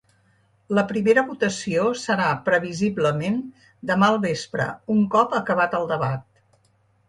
La primera votació serà previsiblement demà al vespre, un cop acabat el debat.